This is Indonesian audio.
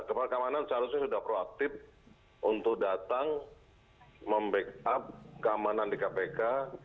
kepala kemanan seharusnya sudah proaktif untuk datang mem backup keamanan di kpk